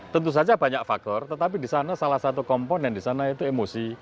tentu saja banyak faktor tetapi di sana salah satu komponen di sana itu emosi